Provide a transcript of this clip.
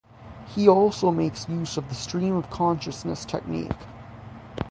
He also makes use of the stream of consciousness technique.